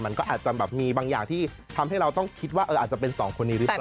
มันก็อาจจะแบบมีบางอย่างที่ทำให้เราต้องคิดว่าอาจจะเป็นสองคนนี้หรือเปล่า